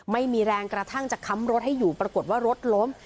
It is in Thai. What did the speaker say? ไม่มีแรงกระทั่งจะค้ำรถให้อยู่ปรากฏว่ารถล้ม